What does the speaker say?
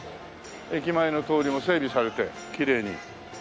駅前の通りも整備されてきれいに。